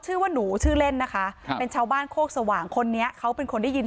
ชื่อว่าหนูชื่อเล่นนะคะครับเป็นชาวบ้านโคกสว่างคนนี้เขาเป็นคนได้ยิน